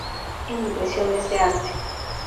En "Impresiones de arte.